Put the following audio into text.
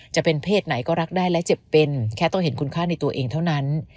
จะเป็นเพศไหนก็รักได้และเจ็บเป็นแค่ต้องเห็นคุณค่าในตัวเองเท่านั้น